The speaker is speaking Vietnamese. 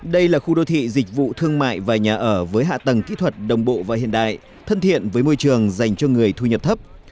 đây là khu đô thị dịch vụ thương mại và nhà ở với hạ tầng kỹ thuật đồng bộ và hiện đại thân thiện với môi trường dành cho người thu nhập thấp